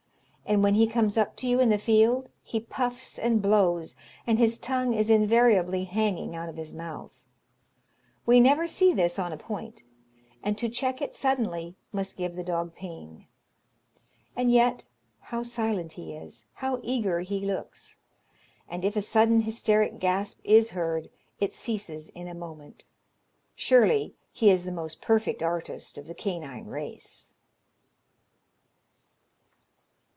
And when he comes up to you in the field he puffs and blows, and his tongue is invariably hanging out of his mouth. We never see this on a point, and to check it suddenly must give the dog pain. And yet, how silent he is! how eager he looks! and if a sudden hysteric gasp is heard, it ceases in a moment. Surely he is the most perfect artist of the canine race."